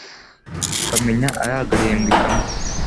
Ukamenya ari agahembwe kamwe